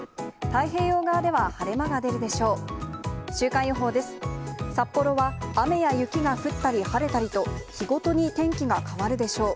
太平洋側では晴れ間が出るでしょう。